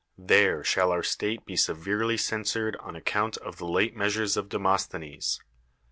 There shall our state be severely censured on account of the late measures of Demosthenes.